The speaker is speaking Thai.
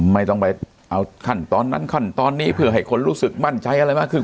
ไม่ต้องไปเอาขั้นตอนนั้นขั้นตอนนี้เพื่อให้คนรู้สึกมั่นใจอะไรมากขึ้น